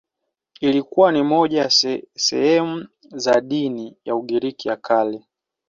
Ilikuwa moja ya sehemu za dini ya Ugiriki ya Kale.